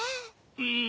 うん。